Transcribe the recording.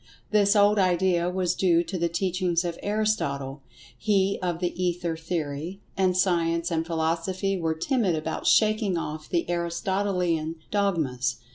This old idea was due to the teachings of Aristotle—he of the Ether Theory—and Science and Philosophy were timid about shaking off the Aristotelian dogmas.